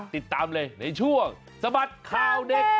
ติดตามเลยในช่วงสะบัดข่าวเด็ก